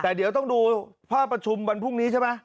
แต่เดี๋ยวต้องดูภาพประชุมวันพรุ่งนี้ใช่ไหม